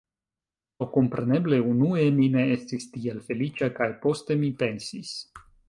Do, kompreneble, unue mi ne estis tiel feliĉa kaj poste mi pensis: